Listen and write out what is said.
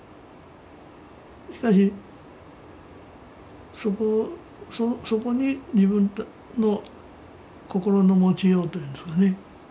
しかしそこに自分の心の持ちようというんですかね。